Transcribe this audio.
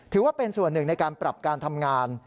ถือว่าเป็นส่วนหนึ่งในการปรับการทำงาน